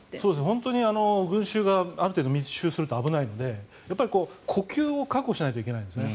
本当に群衆がある程度密集すると危ないのでやっぱり呼吸を確保しないといけないんですね。